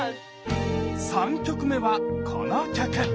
３曲目はこの曲！